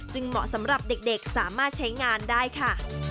เหมาะสำหรับเด็กสามารถใช้งานได้ค่ะ